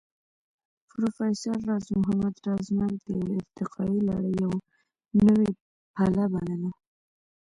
پروفېسر راز محمد راز مرګ د يوې ارتقائي لړۍ يوه نوې پله بلله